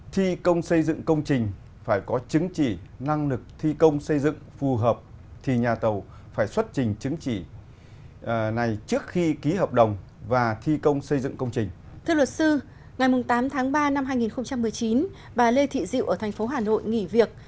thưa luật sư ngày tám tháng ba năm hai nghìn một mươi chín bà lê thị diệu ở thành phố hà nội nghỉ việc